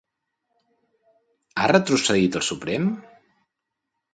Ha retrocedit el Suprem?